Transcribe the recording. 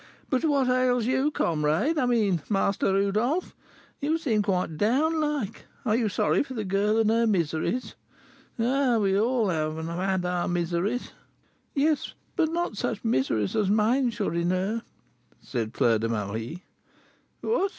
"But what ails you, comrade I mean, Master Rodolph? You seem quite down like; are you sorry for the girl and her miseries? Ah, we all have, and have had, our miseries!" "Yes, but not such miseries as mine, Chourineur," said Fleur de Marie. "What!